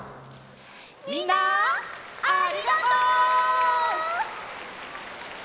みんなありがとう！